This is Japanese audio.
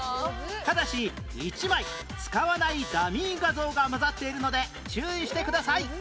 ただし１枚使わないダミー画像が混ざっているので注意してください